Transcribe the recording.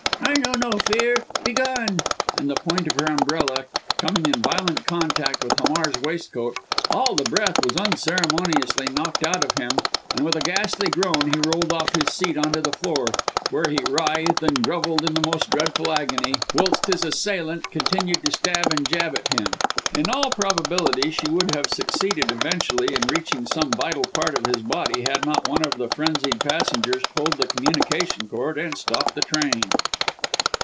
"I know no fear! Begone!" And the point of her umbrella coming in violent contact with Hamar's waistcoat, all the breath was unceremoniously knocked out of him; and with a ghastly groan he rolled off his seat on to the floor, where he writhed and grovelled in the most dreadful agony, whilst his assailant continued to stab and jab at him. In all probability, she would have succeeded, eventually, in reaching some vital part of his body, had not one of the frenzied passengers pulled the communication cord and stopped the train!